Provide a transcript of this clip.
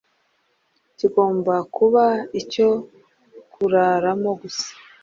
kigomba kuba icyo kuraramo gusa.